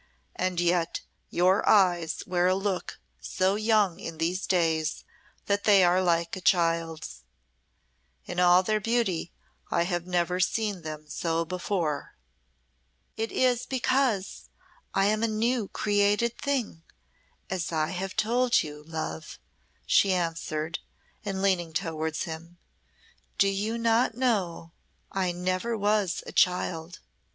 "And yet your eyes wear a look so young in these days that they are like a child's. In all their beauty, I have never seen them so before." "It is because I am a new created thing, as I have told you, love," she answered, and leaned towards him. "Do you not know I never was a child.